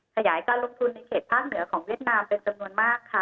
ขยายการลงทุนในเขตภาคเหนือของเวียดนามเป็นจำนวนมากค่ะ